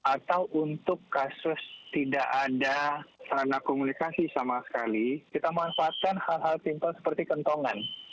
atau untuk kasus tidak ada sarana komunikasi sama sekali kita manfaatkan hal hal simpel seperti kentongan